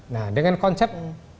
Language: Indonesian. nah dengan konsep